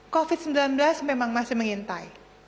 covid sembilan belas memang masih mengintai